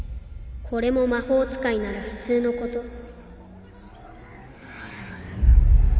これも魔法使いなら普通のこと？